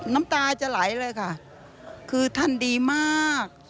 น้ำตาจะไหลเลยค่ะคือท่านดีมาก